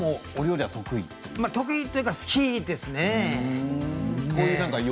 得意というか好きですね。